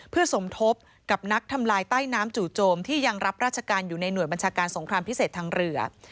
เพื่อสมทบกับนักทำลายใต้น้ำจู่โจมที่ยังรับราชการอยู่ในหน่วยบัญชาการสงครามพิเศษทางเรือ